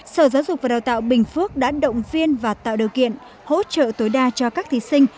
sở giáo dục và đào tạo bình phước đã động viên và tạo điều kiện hỗ trợ tối đa cho các thí sinh